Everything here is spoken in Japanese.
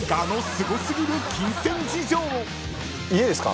家ですか？